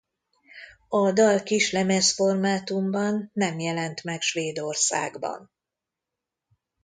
A dal kislemez formátumban nem jelent meg Svédországban.